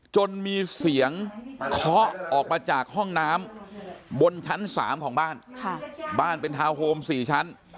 จนมีเสียงเคาะออกมาจากห้องน้ำบนชั้น๓ของบ้านบ้านเป็นทาวน์โฮม๔ชั้น